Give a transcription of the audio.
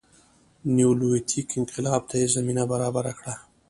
نیولیتیک انقلاب ته یې زمینه برابره کړه